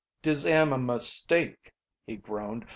"Dis am a mistake," he groaned.